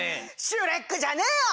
シュレックじゃねーよ！